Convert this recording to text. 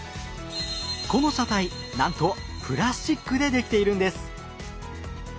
この車体なんとプラスチックでできているんです。